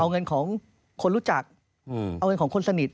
เอาเงินของคนรู้จักเอาเงินของคนสนิท